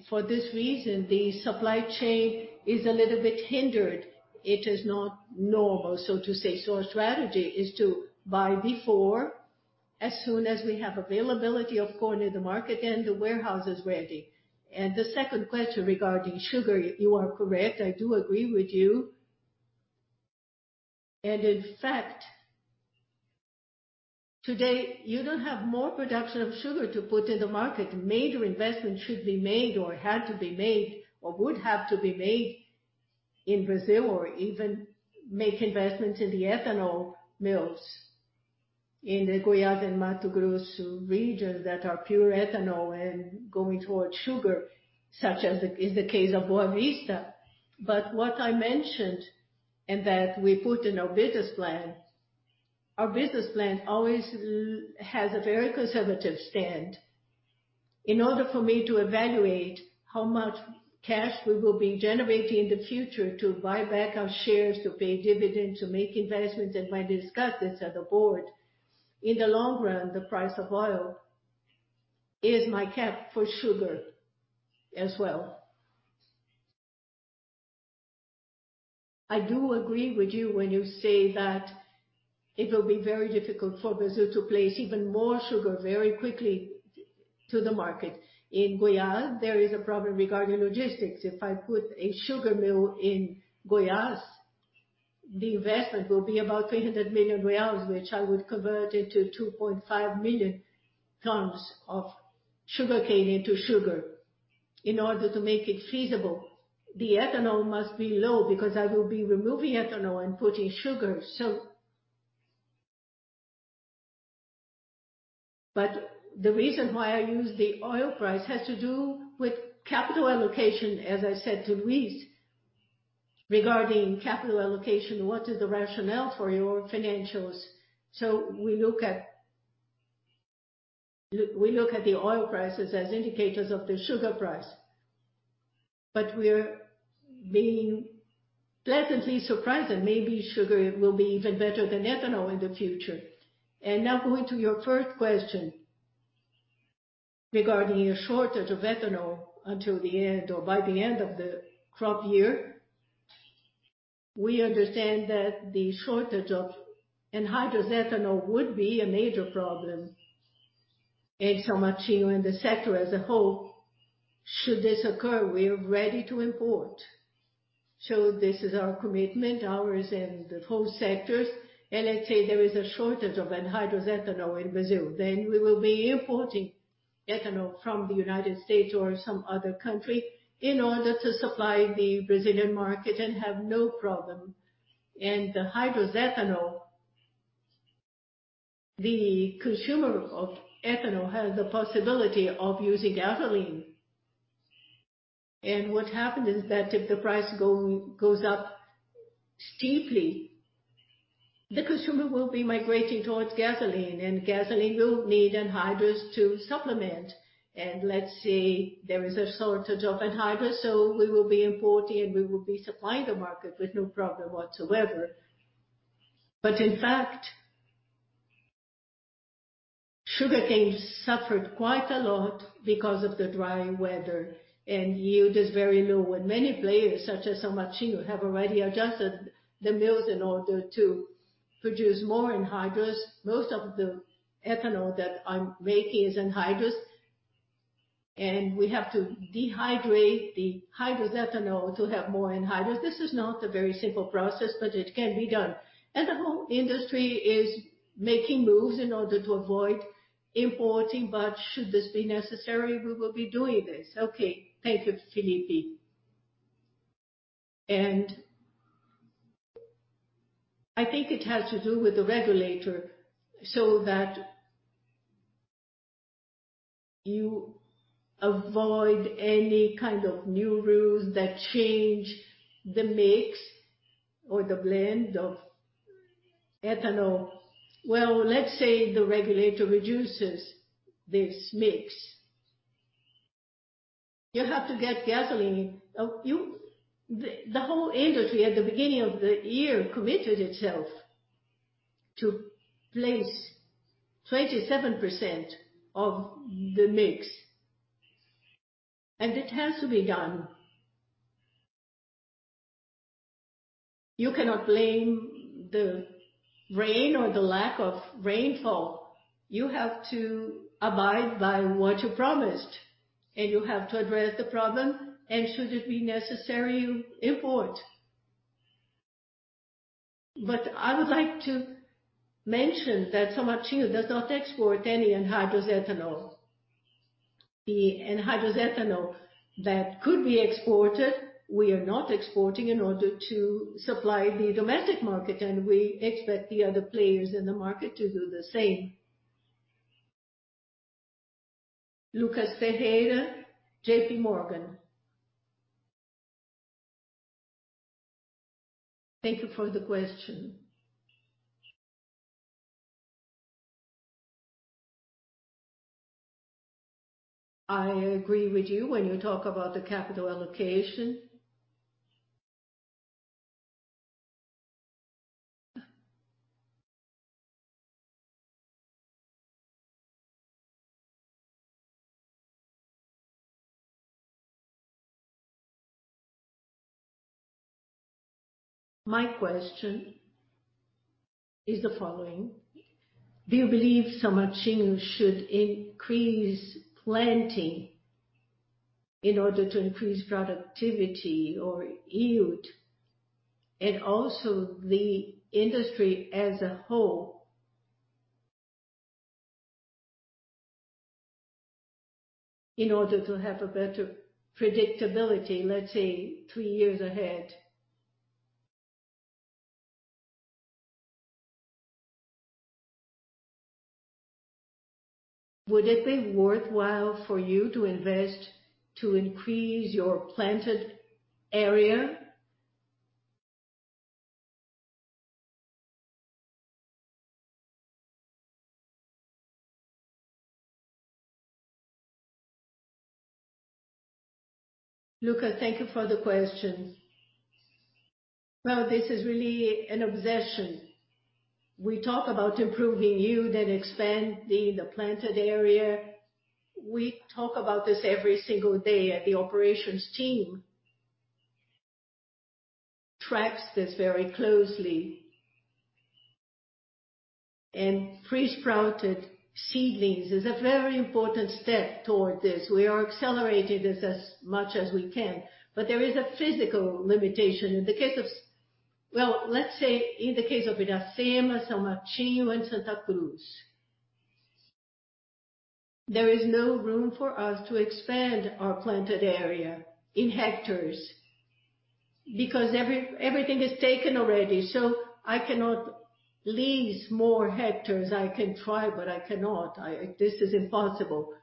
For this reason, the supply chain is a little bit hindered. It is not normal, so to say. Our strategy is to buy before, as soon as we have availability of corn in the market and the warehouse is ready. The second question regarding sugar, you are correct. I do agree with you. In fact, today you don't have more production of sugar to put in the market. Major investment should be made or had to be made, or would have to be made in Brazil. Even make investment in the ethanol mills in the Goiás and Mato Grosso region that are pure ethanol and going towards sugar, such as is the case of Boa Vista. What I mentioned, and that we put in our business plan, our business plan always has a very conservative stand in order for me to evaluate how much cash we will be generating in the future to buy back our shares, to pay dividends, to make investments. I discuss this at the board. In the long run, the price of oil is my cap for sugar as well. I do agree with you when you say that it will be very difficult for Brazil to place even more sugar very quickly to the market. In Goiás, there is a problem regarding logistics. If I put a sugar mill in Goiás, the investment will be about 300 million reais, which I would convert into 2.5 million tons of sugarcane into sugar. In order to make it feasible, the ethanol must be low because I will be removing ethanol and putting sugar. The reason why I use the oil price has to do with capital allocation. As I said to Luiz regarding capital allocation, what is the rationale for your financials? We look at the oil prices as indicators of the sugar price. We are being pleasantly surprised that maybe sugar will be even better than ethanol in the future. Now going to your first question regarding a shortage of ethanol until the end or by the end of the crop year. We understand that the shortage of anhydrous ethanol would be a major problem in São Martinho and the sector as a whole. Should this occur, we are ready to import. This is our commitment, ours and the whole sector's. Let's say there is a shortage of anhydrous ethanol in Brazil, then we will be importing ethanol from the U.S. or some other country in order to supply the Brazilian market and have no problem. The anhydrous ethanol, the consumer of ethanol has the possibility of using gasoline. What happened is that if the price goes up steeply, the consumer will be migrating towards gasoline, and gasoline will need anhydrous to supplement. Let's say there is a shortage of anhydrous, so we will be importing and we will be supplying the market with no problem whatsoever. In fact, sugarcane suffered quite a lot because of the dry weather, and yield is very low. Many players, such as São Martinho, have already adjusted the mills in order to produce more anhydrous. Most of the ethanol that I'm making is anhydrous, and we have to dehydrate the hydrous ethanol to have more anhydrous. This is not a very simple process, but it can be done. The whole industry is making moves in order to avoid importing, but should this be necessary, we will be doing this. Okay. Thank you, Felipe. I think it has to do with the regulator, so that you avoid any kind of new rules that change the mix or the blend of ethanol. Well, let's say the regulator reduces this mix. You have to get gasoline, don't you? The whole industry at the beginning of the year committed itself to place 27% of the mix, and it has to be done. You cannot blame the rain or the lack of rainfall. You have to abide by what you promised, and you have to address the problem, and should it be necessary, you import. I would like to mention that São Martinho does not export any anhydrous ethanol. The anhydrous ethanol that could be exported, we are not exporting in order to supply the domestic market, and we expect the other players in the market to do the same. Lucas Ferreira, JPMorgan. Thank you for the question. I agree with you when you talk about the capital allocation. My question is the following: Do you believe São Martinho should increase planting in order to increase productivity or yield, and also the industry as a whole in order to have a better predictability, let's say, three years ahead? Would it be worthwhile for you to invest to increase your planted area? Lucas, thank you for the question. Well, this is really an obsession. We talk about improving yield and expanding the planted area. We talk about this every single day at the operations team. tracks this very closely. Pre-sprouted seedlings is a very important step toward this. We are accelerating this as much as we can, there is a physical limitation. Well, let's say in the case of Iracema, São Martinho, and Santa Cruz, there is no room for us to expand our planted area in hectares because everything is taken already. I cannot lease more hectares. I can try, I cannot. This is impossible.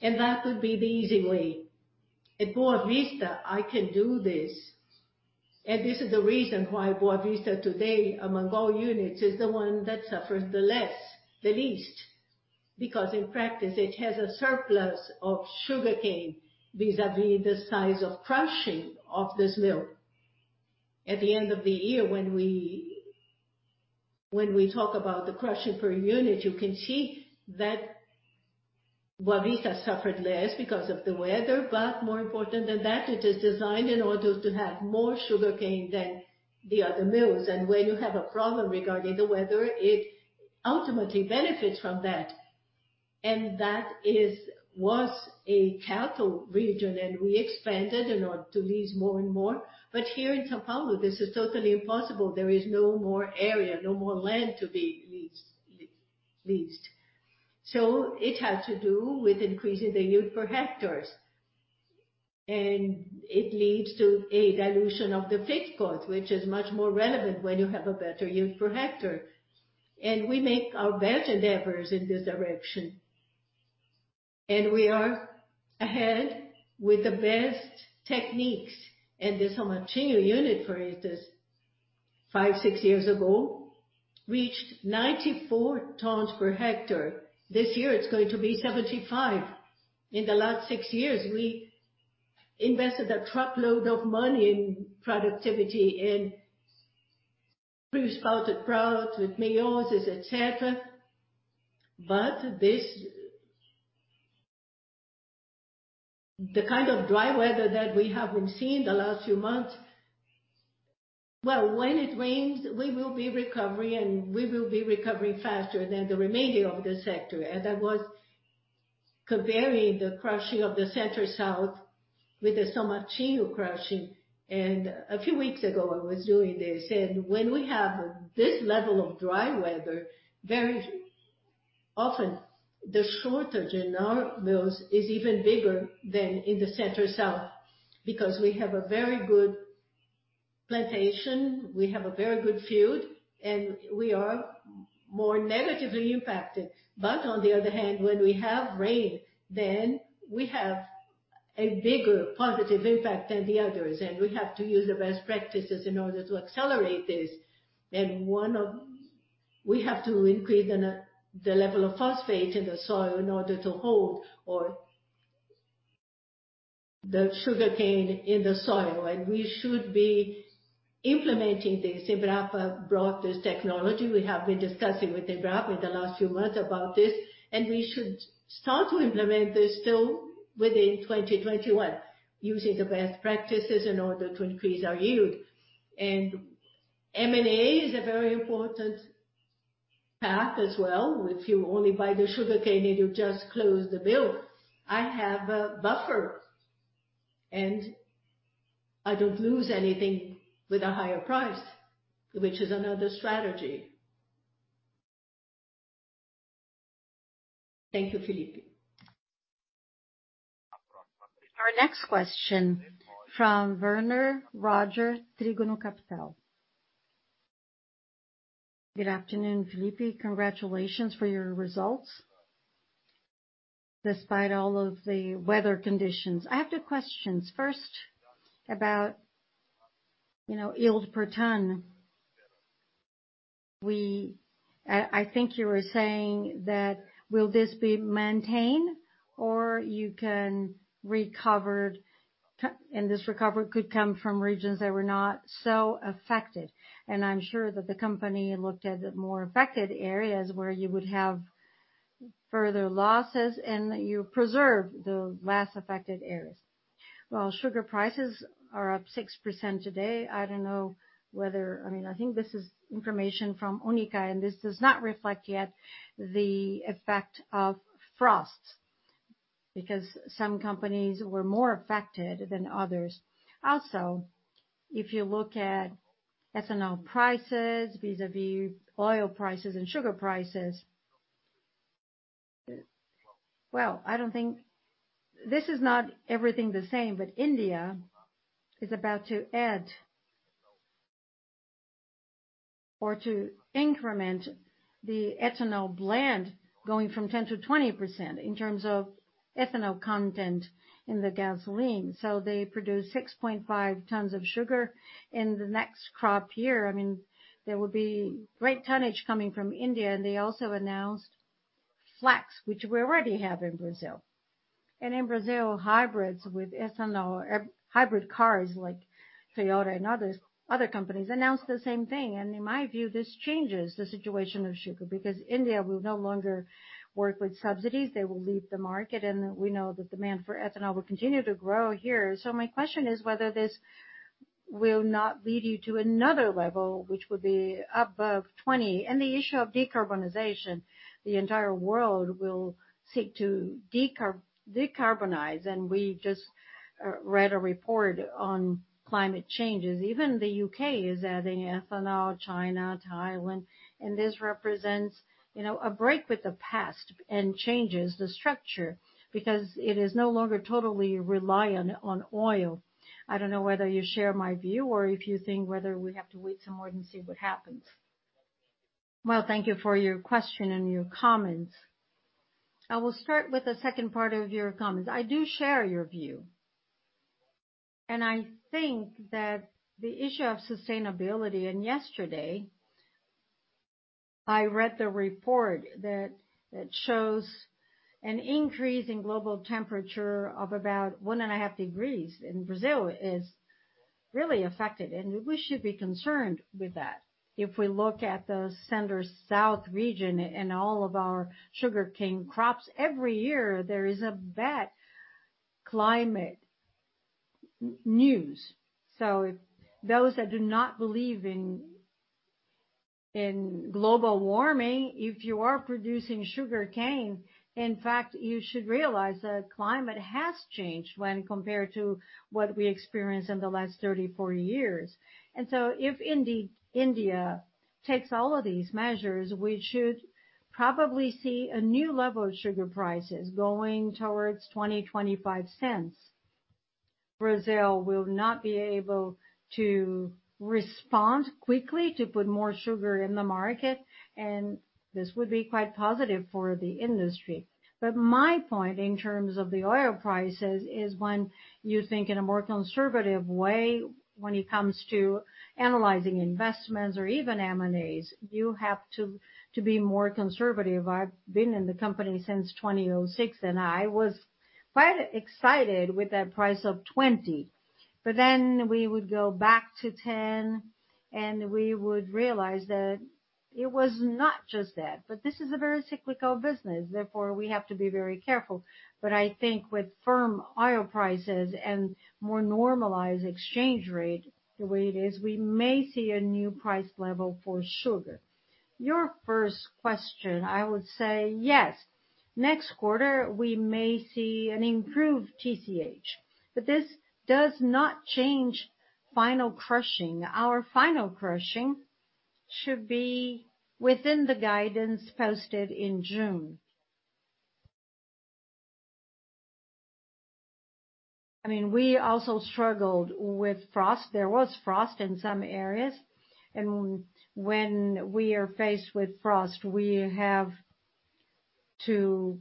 That would be the easy way. At Boa Vista, I can do this. This is the reason why Boa Vista today, among all units, is the one that suffers the least, because in practice, it has a surplus of sugarcane vis-à-vis the size of crushing of this mill. At the end of the year, when we talk about the crushing per unit, you can see that Boa Vista suffered less because of the weather. More important than that, it is designed in order to have more sugarcane than the other mills. When you have a problem regarding the weather, it ultimately benefits from that. That was a cattle region, and we expanded in order to lease more and more. Here in São Paulo, this is totally impossible. There is no more area, no more land to be leased. It has to do with increasing the yield per hectares. It leads to a dilution of the fixed cost, which is much more relevant when you have a better yield per hectare. We make our best endeavors in this direction. We are ahead with the best techniques. The São Martinho unit, for instance, five, six years ago, reached 94 tons per hectare. This year, it's going to be 75 per hectare. In the last six years, we invested a truckload of money in productivity and Pre-sprouted crops with MEIOSI, et cetera. The kind of dry weather that we have been seeing the last few months, well, when it rains, we will be recovering, and we will be recovering faster than the remainder of the sector. I was comparing the crushing of the Center-South with the São Martinho crushing, and a few weeks ago, I was doing this. When we have this level of dry weather, very often the shortage in our mills is even bigger than in the Center-South because we have a very good plantation, we have a very good field, and we are more negatively impacted. On the other hand, when we have rain, we have a bigger positive impact than the others, and we have to use the best practices in order to accelerate this. We have to increase the level of phosphate in the soil in order to hold all the sugarcane in the soil. We should be implementing this. Embrapa brought this technology. We have been discussing with Embrapa in the last few months about this, and we should start to implement this still within 2021, using the best practices in order to increase our yield. M&A is a very important path as well. If you only buy the sugarcane and you just close the mill, I have a buffer, and I don't lose anything with a higher price, which is another strategy. Thank you, Felipe. Our next question from Werner Roger, Trígono Capital. Good afternoon, Felipe. Congratulations for your results despite all of the weather conditions. I have two questions. First, about yield per ton. I think you were saying that will this be maintained, or you can recover, and this recovery could come from regions that were not so affected. I'm sure that the company looked at the more affected areas where you would have further losses, and you preserve the less affected areas. While sugar prices are up 6% today, I think this is information from UNICA, and this does not reflect yet the effect of frost because some companies were more affected than others. If you look at ethanol prices vis-a-vis oil prices and sugar prices. This is not everything the same, but India is about to add or to increment the ethanol blend going from 10%-20% in terms of ethanol content in the gasoline. They produce 6.5 tons of sugar in the next crop year. There will be great tonnage coming from India, they also announced flex, which we already have in Brazil. In Brazil, hybrids with ethanol-- hybrid cars like Toyota and other companies announced the same thing. In my view, this changes the situation of sugar because India will no longer work with subsidies. They will leave the market, and we know the demand for ethanol will continue to grow here. My question is whether this will not lead you to another level, which will be above 20%. The issue of decarbonization, the entire world will seek to decarbonize, and we just read a report on climate changes. Even the U.K. is adding ethanol, China, Thailand, and this represents a break with the past and changes the structure because it is no longer totally reliant on oil. I don't know whether you share my view or if you think whether we have to wait some more and see what happens? Thank you for your question and your comments. I will start with the second part of your comments. I do share your view, and I think that the issue of sustainability, and yesterday I read the report that shows an increase in global temperature of about one and a half degrees, and Brazil is really affected, and we should be concerned with that. If we look at the Center-South region and all of our sugarcane crops, every year there is a bad climate news. Those that do not believe in global warming, if you are producing sugarcane, in fact, you should realize that climate has changed when compared to what we experienced in the last 34 years. If India takes all of these measures, we should probably see a new level of sugar prices going towards 0.20, 0.25. Brazil will not be able to respond quickly to put more sugar in the market, and this would be quite positive for the industry. My point in terms of the oil prices is when you think in a more conservative way when it comes to analyzing investments or even M&As, you have to be more conservative. I've been in the company since 2006, and I was quite excited with that price of 0.20. Then we would go back to 0.10, and we would realize that it was not just that. This is a very cyclical business, therefore, we have to be very careful. I think with firm oil prices and more normalized exchange rate the way it is, we may see a new price level for sugar. Your first question, I would say yes. Next quarter, we may see an improved TCH, this does not change final crushing. Our final crushing should be within the guidance posted in June. We also struggled with frost. There was frost in some areas, when we are faced with frost, we have to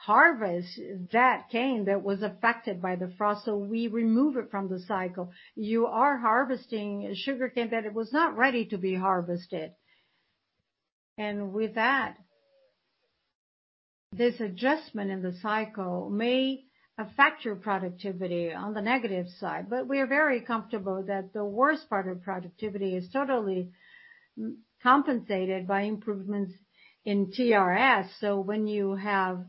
harvest that cane that was affected by the frost, we remove it from the cycle. You are harvesting sugarcane that it was not ready to be harvested. With that, this adjustment in the cycle may affect your productivity on the negative side. We are very comfortable that the worst part of productivity is totally compensated by improvements in TRS. When you have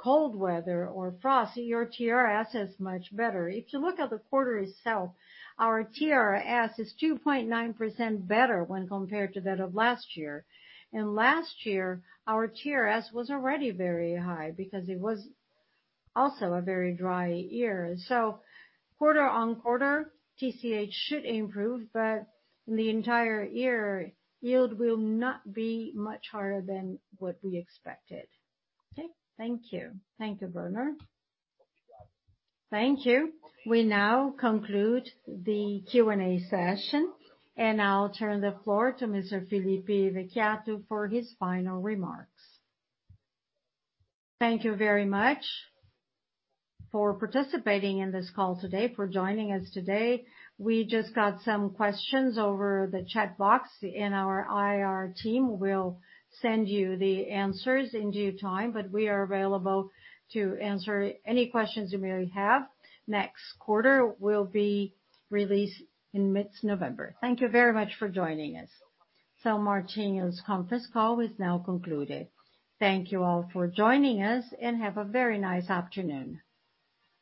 cold weather or frost, your TRS is much better. If you look at the quarter itself, our TRS is 2.9% better when compared to that of last year. Last year, our TRS was already very high because it was also a very dry year. Quarter-on-quarter, TCH should improve, but the entire year yield will not be much higher than what we expected. Okay, thank you. Thank you, Werner. Thank you. We now conclude the Q&A session, and I'll turn the floor to Mr. Felipe Vicchiato for his final remarks. Thank you very much for participating in this call today, for joining us today. We just got some questions over the chat box, and our IR team will send you the answers in due time. We are available to answer any questions you may have. Next quarter will be released in mid November. Thank you very much for joining us. São Martinho's conference call is now concluded. Thank you all for joining us, and have a very nice afternoon.